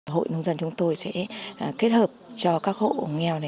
hội nông dân chúng tôi sẽ kết hợp cho các hộ nghèo này